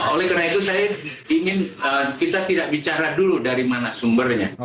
oleh karena itu saya ingin kita tidak bicara dulu dari mana sumbernya